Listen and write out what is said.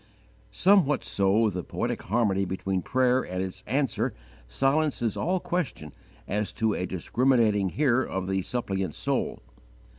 Somewhat so the poetic harmony between prayer and its answer silences all question as to a discriminating Hearer of the suppliant soul.